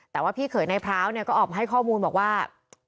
แต่ว่าพี่เขยในพร้าวเนี่ยก็ออกมาให้ข้อมูลบอกว่า